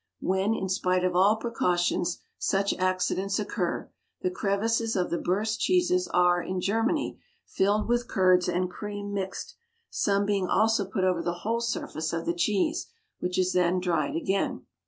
When, in spite of all precautions, such accidents occur, the crevices of the burst cheeses are, in Germany, filled with curds and cream mixed, some being also put over the whole surface of the cheese, which is then dried again.